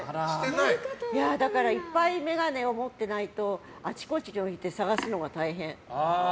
いっぱい眼鏡を持ってないとあちこちに置いて探すのが大変。